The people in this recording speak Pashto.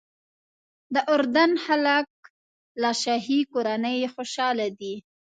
د اردن خلک له شاهي کورنۍ خوشاله دي.